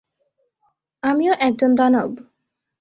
আমিও একজন দানব।